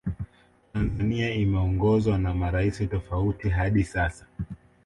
Tanzania imeongozwa na maraisi tofauti hadi sasa